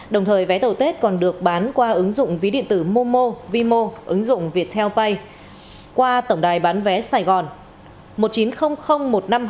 đồng thời vé tàu tết còn được bán qua ứng dụng ví điện tử momo vimo ứng dụng viettel pay qua tổng đài bán vé sài gòn